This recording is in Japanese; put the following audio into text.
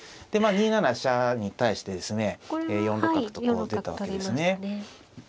でまあ２七飛車に対してですね４六角とこう出たわけですね。